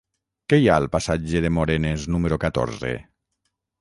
Què hi ha al passatge de Morenes número catorze?